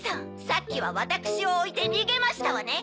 さっきはわたくしをおいてにげましたわね！